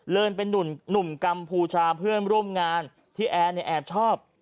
เลินเป็นหนุ่มกำภูชาเพื่อนร่วมงานที่แอ๋แอบชอบ